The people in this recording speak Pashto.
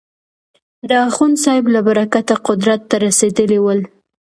د اخوندصاحب له برکته قدرت ته رسېدلي ول.